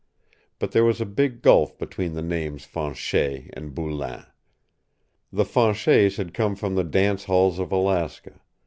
But there was a big gulf between the names Fanchet and Boulain. The Fanchets had come from the dance halls of Alaska.